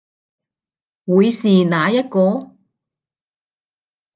會是哪一個